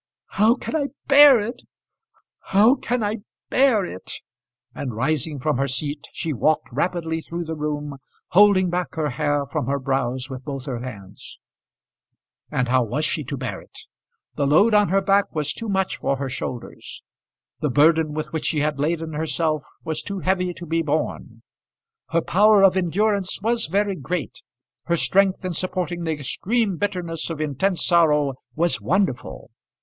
How can I bear it? how can I bear it?" And rising from her seat, she walked rapidly through the room, holding back her hair from her brows with both her hands. [Illustration: "How can I bear it?"] And how was she to bear it? The load on her back was too much for her shoulders. The burden with which she had laden herself was too heavy to be borne. Her power of endurance was very great. Her strength in supporting the extreme bitterness of intense sorrow was wonderful.